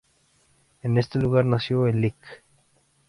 En este lugar nació el Lic.